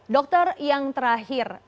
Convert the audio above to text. dokter yang terakhir